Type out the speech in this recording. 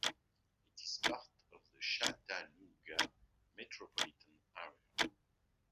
It is part of the Chattanooga metropolitan area.